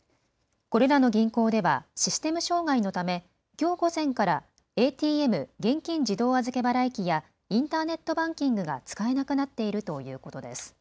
これらの銀行ではシステム障害のためきょう午前からＡＴＭ・現金自動預け払い機やインターネットバンキングが使えなくなっているということです。